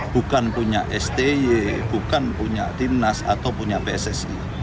bukan punya sti tinas atau pssi